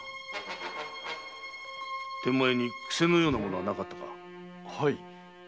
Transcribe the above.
天満屋に癖のようなものはなかったか？